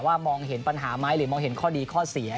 มองเห็นปัญหาไหมหรือมองเห็นข้อดีข้อเสีย